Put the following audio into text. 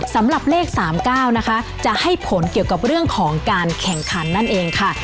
สำหรับเลข๓๙นะคะจะให้ผลเกี่ยวกับเรื่องของการแข่งขันนั่นเองค่ะ